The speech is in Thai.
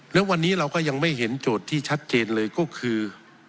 แล้ววันนี้เราก็ยังไม่เห็นโจทย์ที่ชัดเจนเลยก็คือ